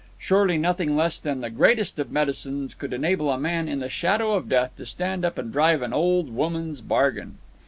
Surely nothing less than the greatest of medicines could enable a man in the shadow of death to stand up and drive an old woman's bargain.